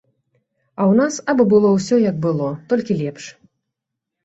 А ў нас абы было ўсё як было, толькі лепш.